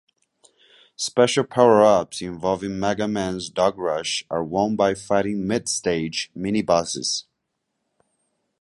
Special power-ups involving Mega Man's dog Rush are won by fighting mid-stage minibosses.